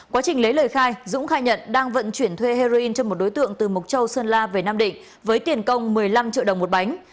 quá trình lấy lời khai dũng khai nhận đang vận chuyển thuê heroin cho một đối tượng từ mộc châu sơn la về nam định với tiền công một mươi năm triệu đồng một bánh